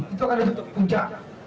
itu akan ditutup puncak